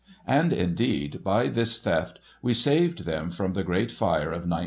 And, indeed, by this theft we saved them from the great fire of 1906.